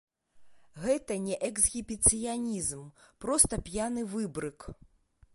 Гэта не эксгібіцыянізм, проста п'яны выбрык.